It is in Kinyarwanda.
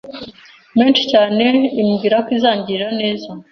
menshi cyane imbwira ko izangirira neza